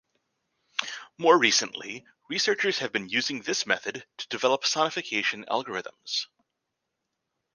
More recently, researchers have been using this method to develop sonification algorithms.